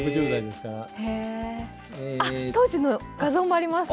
あっ当時の画像もあります！